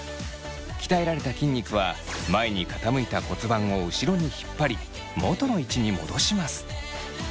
鍛えられた筋肉は前に傾いた骨盤を後ろに引っ張り元の位置に戻します。